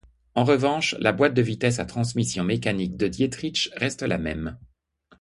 En revanche, la boîte de vitesses à transmission mécanique De Dietrich reste la même.